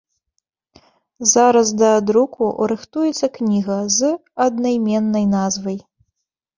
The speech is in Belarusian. Зараз да друку рыхтуецца кніга з аднайменнай назвай.